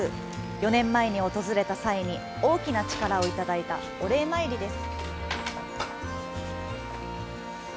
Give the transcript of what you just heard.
４年前に訪れた際に大きな力をいただいたお礼参りです。